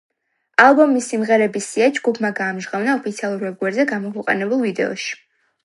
ალბომის სიმღერების სია ჯგუფმა გაამჟღავნა ოფიციალურ ვებგვერდზე გამოქვეყნებულ ვიდეოში.